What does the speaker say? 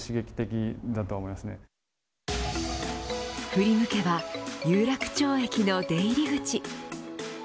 振り向けば有楽町駅の出入り口。